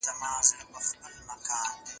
د ډالۍ په توګه هم زعفران خلکو ته ورکول کېږي.